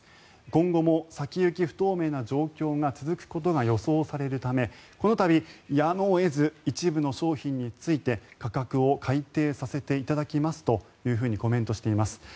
今後も先行き不透明な状況が続くことが予想されるためこの度、やむを得ず一部の商品について価格を改定させていただきますとコメントしています。